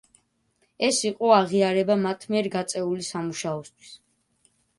ეს იყო აღიარება მათ მიერ გაწეული სამუშაოსთვის.